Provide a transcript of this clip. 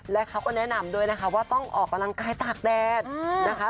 และเขาก็แนะนำด้วยนะคะว่าต้องออกกำลังกายตากแดดนะคะ